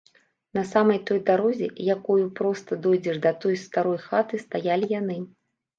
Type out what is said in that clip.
На самай той дарозе, якою проста дойдзеш да той старой хаты, стаялі яны.